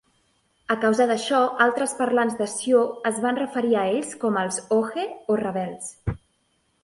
A causa d'això, altres parlants de Sioux es van referir a ells com els "Hohe" o "rebels".